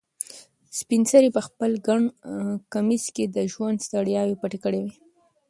سپین سرې په خپل ګڼ کمیس کې د ژوند ستړیاوې پټې کړې وې.